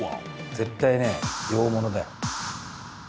絶対ね洋物だよ。